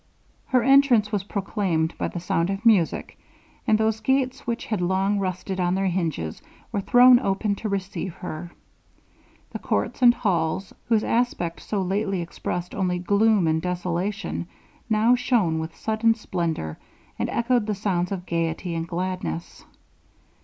Her entrance was proclaimed by the sound of music, and those gates which had long rusted on their hinges, were thrown open to receive her. The courts and halls, whose aspect so lately expressed only gloom and desolation, now shone with sudden splendour, and echoed the sounds of gaiety and gladness.